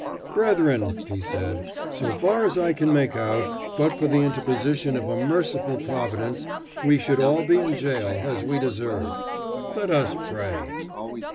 "Brethren," he said, "so far as I can make out, but for the interposition of a merciful Providence we should all be in jail, as we deserve. Let us pray!"